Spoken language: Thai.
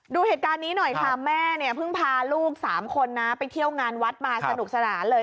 ดูเหตุการณ์นี้หน่อยค่ะแม่เนี่ยเพิ่งพาลูก๓คนนะไปเที่ยวงานวัดมาสนุกสนานเลย